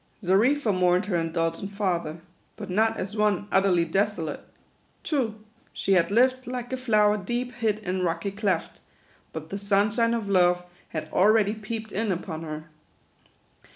Xarifa mourned her indulgent father ; but not as one utterly desolate. True, she had lived " like a flower deep hid in rocky cleft ;" but the sunshine of love had already peeped in upon her.